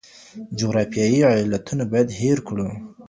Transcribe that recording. جغرافیایي علتونه باید هیر کړو.